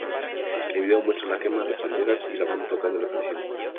El video muestra la quema de palmeras y la banda tocando la canción.